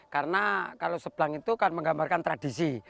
karena kalau sebelang itu kan menggambarkan tradisi